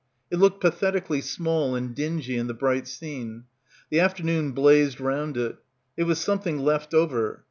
It looked pathetically small and dingy in the bright scene. The afternoon blazed round it. It was something left over.